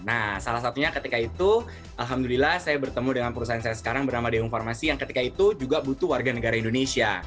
nah salah satunya ketika itu alhamdulillah saya bertemu dengan perusahaan saya sekarang bernama dayung farmasi yang ketika itu juga butuh warga negara indonesia